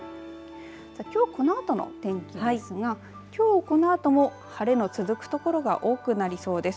きょう、このあとの天気ですがきょうこのあとも晴れが続くところが多くなりそうです。